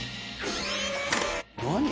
何？